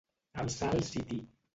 Alçar el siti.